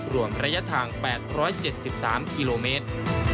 รวมระยะทาง๘๗๓กิโลเมตร